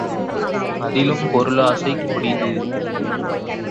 அதிலும் பொருளாசை கொடிது!